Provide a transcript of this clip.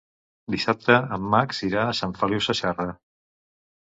Dissabte en Max irà a Sant Feliu Sasserra.